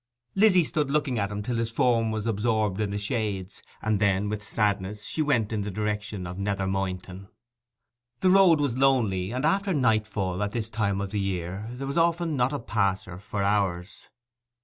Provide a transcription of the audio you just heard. Lizzy stood looking at him till his form was absorbed in the shades; and then, with sadness, she went in the direction of Nether Moynton. The road was lonely, and after nightfall at this time of the year there was often not a passer for hours.